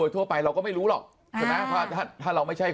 ทั่วไปเราก็ไม่รู้หรอกใช่ไหมถ้าเราไม่ใช่